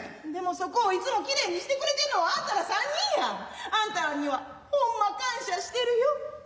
でもそこをいつもきれいにしてくれてんのはあんたら三人や。あんたらにはほんま感謝してるよ。